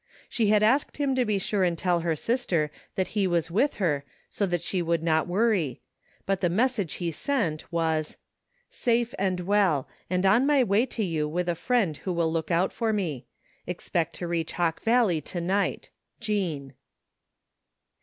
She had asked him to be sure and tell her sister that he was with her so she would not worry, but the message he sent was :" Safe and well, and on my way to you with a friend who will look out for me. Expect to reach Hawk Valley tonight. — ^Jean.'